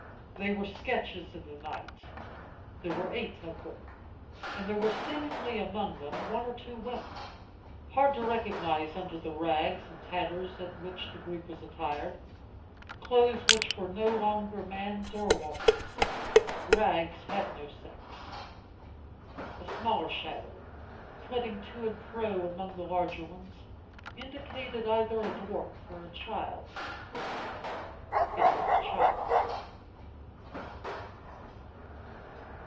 They were sketches in the night. There were eight of them, and there were seemingly among them one or two women, hard to recognize under the rags and tatters in which the group was attired clothes which were no longer man's or woman's. Rags have no sex. A smaller shadow, flitting to and fro among the larger ones, indicated either a dwarf or a child. It was a child.